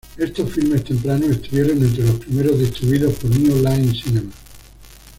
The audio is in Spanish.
Estos filmes tempranos estuvieron entre los primeros distribuidos por "New Line Cinema".